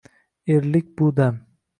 eriylik bu dam.